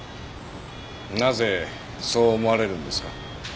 なぜそう思われるんですか？